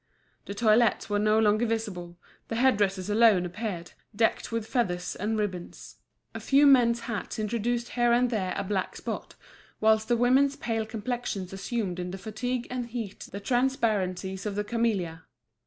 The toilettes were no longer visible, the head dresses alone appeared, decked with feathers and ribbons. A few men's hats introduced here and there a black spot, whilst the women's pale complexions assumed in the fatigue and heat the transparencies of the camellia.